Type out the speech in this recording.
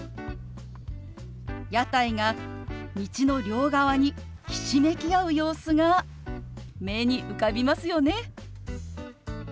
屋台が道の両側にひしめき合う様子が目に浮かびますよね。